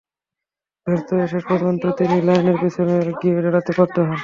ব্যর্থ হয়ে শেষ পর্যন্ত তিনি লাইনের পেছনে গিয়ে দাঁড়াতে বাধ্য হন।